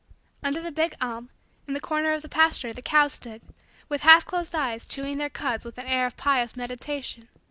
Under the big elm, in the corner of the pasture, the cows stood, with half closed eyes, chewing their cuds with an air of pious meditation.